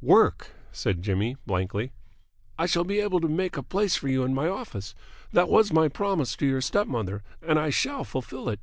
"Work!" said Jimmy blankly. "I shall be able to make a place for you in my office. That was my promise to your step mother, and I shall fulfil it."